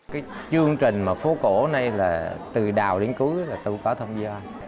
cái chương trình mà phố cổ này là từ đào đến cuối là tôi có thông do